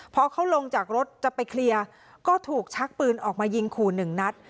พอเขาลงจากรถจะไปเคลียร์ก็ถูกชักปืนออกมายิงขู่หนึ่งนัด